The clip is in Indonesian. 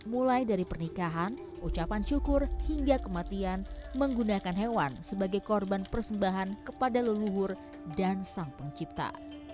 jadi yang bapak korbankan waktu itu bapak bayar bapak kasih ke mereka berapa juta